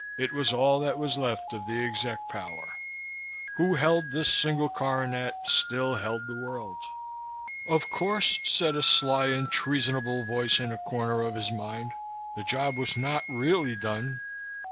It was all that was left of the exec power. Who held this single coronet still held the world. Of course, said a sly and treasonable voice in a corner of his mind, the job was not really done.